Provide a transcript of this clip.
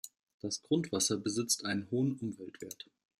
Das Grundwasser besitzt einen hohen Umweltwert.